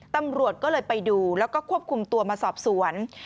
ตำรวจก็เลยไปดูแล้วก็ควบคุมตัวมาสอบสวน